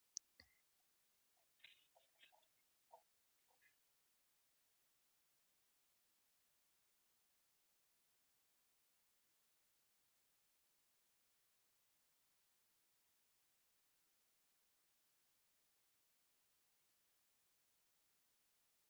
لیکوالان دې د معیاري پښتو کارونو ته لومړیتوب ورکړي.